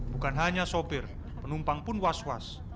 bukan hanya sopir penumpang pun was was